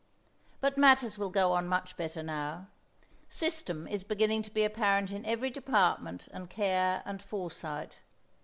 But matters will go on much better now. System is beginning to be apparent in every department, and care and foresight.